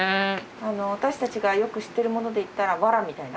私たちがよく知ってるもので言ったらわらみたいな？